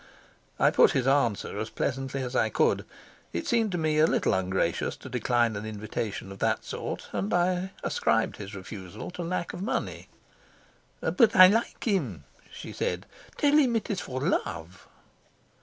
I put his answer as pleasantly as I could. It seemed to me a little ungracious to decline an invitation of that sort, and I ascribed his refusal to lack of money. "But I like him," she said. "Tell him it's for love."